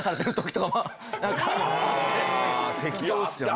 あ適当っすよね。